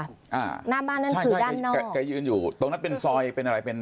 หน้าบ้านนั่นคือด้านนอกแกยืนอยู่ตรงนั้นเป็นซอยเป็นอะไรเป็น